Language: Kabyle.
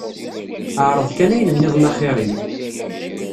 Ɛreḍ kan ayen nniḍen axir-im.